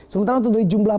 sementara untuk dari jumlah